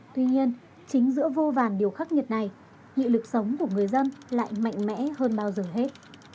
tuy nhiên chính giữa vô vàn điều khắc nghiệt này nghị lực sống của người dân lại mạnh mẽ hơn bao giờ hết